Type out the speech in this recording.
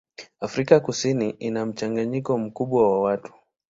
Afrika Kusini ina mchanganyiko mkubwa wa watu.